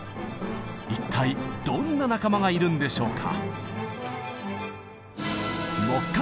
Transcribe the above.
一体どんな仲間がいるんでしょうか。